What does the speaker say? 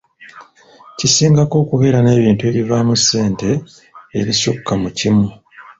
Kisingako okubeera n'ebintu ebivaamu ssente ebisukka mu kimu.